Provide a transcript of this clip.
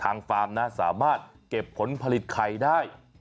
ฟาร์มนะสามารถเก็บผลผลิตไข่ได้